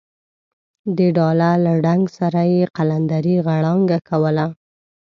د ډاله له ډنګ سره یې قلندرې غړانګه کوله.